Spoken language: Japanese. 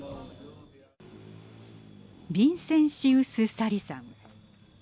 ビンセンシウス・サリさん。